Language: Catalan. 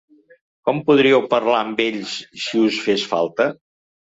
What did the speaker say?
Com podríeu parlar amb ells, si us fes falta?